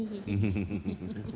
フフフフフフ。